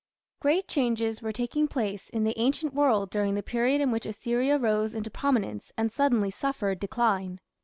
Great changes were taking place in the ancient world during the period in which Assyria rose into prominence and suddenly suffered decline.